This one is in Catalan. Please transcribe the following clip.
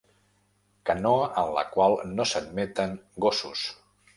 Canoa en la qual no s'admeten gossos.